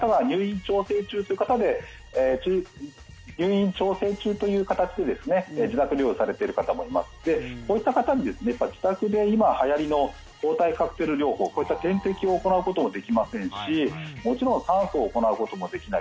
そういった方は入院調整中という形で自宅療養されている方もいましてそういった方に自宅で今はやりの抗体カクテル療法こういった点滴を行うこともできませんし、もちろん酸素を行うこともできない。